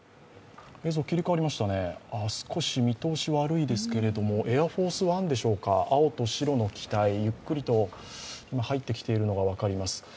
少し見通し悪いですけれども、エアフォースワンでしょうか青と白の機体、ゆっくりと今入ってきているのが分かります。